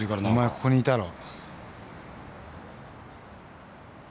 ここにいたろ！